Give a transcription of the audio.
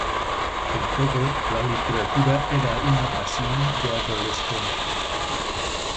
Con todo, la literatura era una pasión de adolescencia.